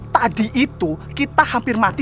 tadi itu kita hampir mati